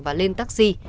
và lên taxi